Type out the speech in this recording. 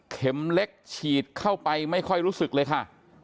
เล็กฉีดเข้าไปไม่ค่อยรู้สึกเลยค่ะ